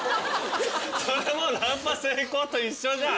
それもうナンパ成功と一緒じゃん。